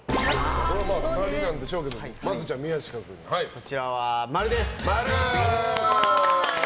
これは２人へなんでしょうけどこちらは○です。